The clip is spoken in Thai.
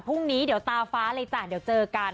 พรุ่งนี้เดี๋ยวตาฟ้าเลยจ้ะเดี๋ยวเจอกัน